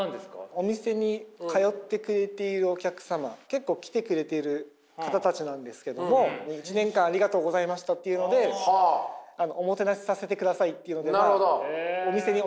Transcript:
お店に通ってくれているお客様結構来てくれている方たちなんですけども一年間ありがとうございましたっていうのでおもてなしさせてくださいっていうのでお店にお呼びして。